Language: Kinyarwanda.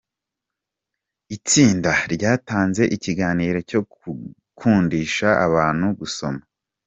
Itsinda ryatanze ikiganiro cyo gukundisha abantu gusoma.